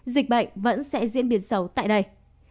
dịch bệnh vẫn sẽ diễn biến sâu tại đây